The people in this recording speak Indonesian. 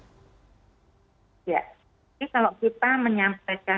ya jadi kalau kita